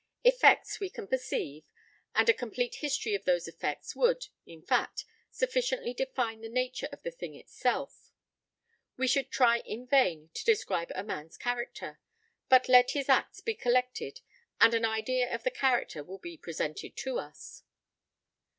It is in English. Effects we can perceive, and a complete history of those effects would, in fact, sufficiently define the nature of the thing itself. We should try in vain to describe a man's character, but let his acts be collected and an idea of the character will be presented to us.